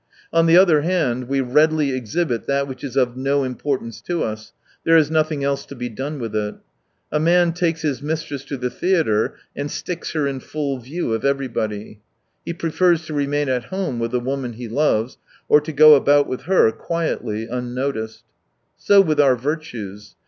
On the other hand, we readily exhibit that w;hich is of no importance to us— there is nothing else to be done with it. A man takes his mistress to the theatre and sticks her in full view of everybody ; he prefers to remain at home with the woman he loves, or to go about with her quietly, unnoticed. So with our " Virtues."